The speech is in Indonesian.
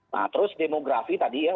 nah terus demografi tadi ya